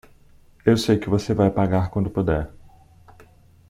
Eu sei que você vai pagar quando puder.